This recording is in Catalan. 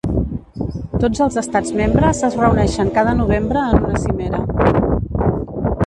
Tots els estats membres es reuneixen cada novembre en una cimera.